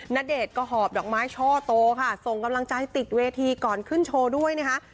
ณเดชน์ก็หอบดอกไม้ช่อโตค่ะส่งกำลังใจติดเวทีก่อนขึ้นโชว์ด้วยนะคะ